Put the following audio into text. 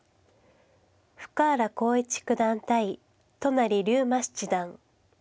深浦康市九段対都成竜馬七段。